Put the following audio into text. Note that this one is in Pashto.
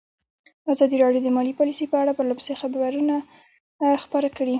ازادي راډیو د مالي پالیسي په اړه پرله پسې خبرونه خپاره کړي.